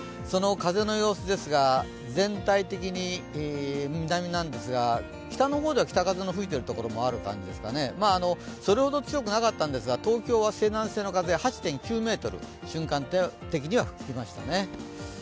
その風の様子ですが全体的に南なんですが、北の方では北風が吹いているところもあるんですかね、それほど強くなかったんですが東京は西南西の風が８．９メートル、瞬間的に吹きましたね。